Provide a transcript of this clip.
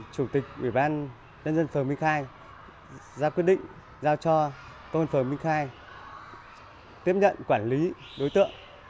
chủ tịch ủy ban nhân dân phường minh khai ra quyết định giao cho công an phường minh khai tiếp nhận quản lý đối tượng